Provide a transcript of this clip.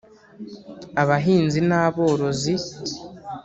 abahinzi n’aborozi